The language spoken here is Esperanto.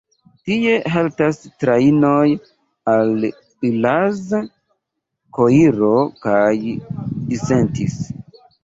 Tie haltas trajnoj al Ilanz, Koiro kaj Disentis.